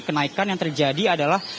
kenaikan yang terjadi adalah